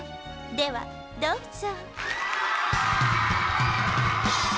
ではどうぞ。